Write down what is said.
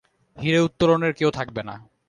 হীরে উত্তোলনের কেউ থাকবে না।